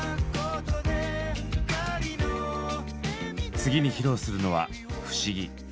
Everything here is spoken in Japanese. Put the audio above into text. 次に披露するのは「不思議」。